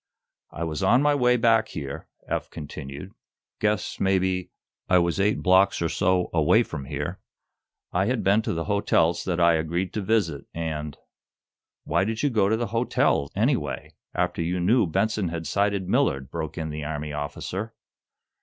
"I was on my way back here," Eph continued. "Guess, maybe, I was eight blocks or so away from here. I had been to the hotels that I agreed to visit, and " "Why did you go to the hotel, anyway, after you knew Benson had sighted Millard?" broke in the Army officer.